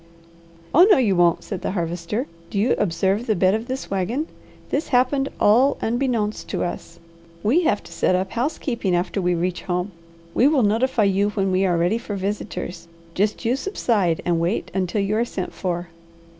"Oh no you won't!" said the Harvester. "Do you observe the bed of this wagon? This happened all 'unbeknownst' to us. We have to set up housekeeping after we reach home. We will notify you when we are ready for visitors. Just you subside and wait until you are sent for."